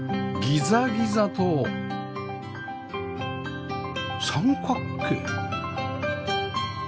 ギザギザと三角形